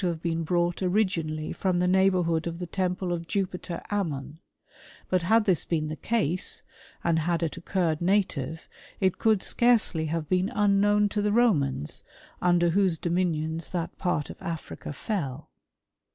125 have been brought originally from the nei^bourhood of the temple of Jupiter Ammon : but had this been the case, and had it occurred native, it could scarcely have been unknown to the Romans, under whose dominions that part of Africa fell.